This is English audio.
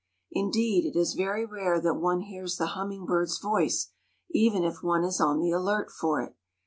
Indeed, it is very rare that one hears the hummingbird's voice, even if one is on the alert for it.